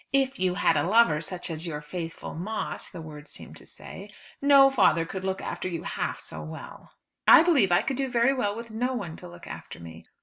"If you had a lover such as is your faithful Moss," the words seemed to say, "no father could look after you half so well." "I believe I could do very well with no one to look after me."